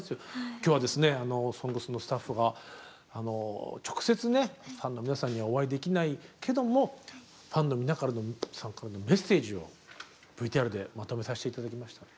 今日はですね「ＳＯＮＧＳ」のスタッフが直接ねファンの皆さんにはお会いできないけどもファンの皆さんからのメッセージをＶＴＲでまとめさせて頂きました。